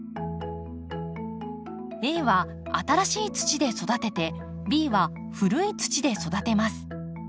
Ａは新しい土で育ててＢは古い土で育てます。